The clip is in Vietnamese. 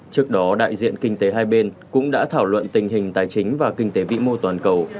trước đó đại diện kinh tế hai bên cũng đã thảo luận tình hình tài chính và kinh tế vĩ mô toàn cầu